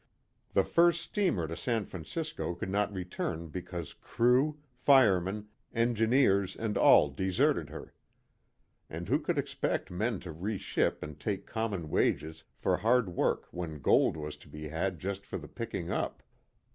The first steamer to San Francisco could not return be cause crew, firemen, engineers and all deserted her. And who could expect men to re ship and take common wages for hard work when gold was to be had just for the picking up